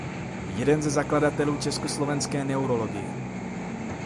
Jeden ze zakladatelů československé neurologie.